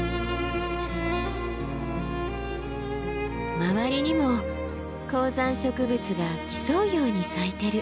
周りにも高山植物が競うように咲いてる。